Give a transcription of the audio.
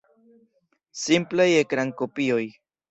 Simplaj ekrankopioj.